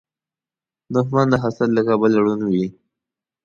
دښمن د حسد له کبله ړوند وي